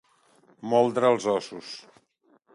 Moldre els ossos.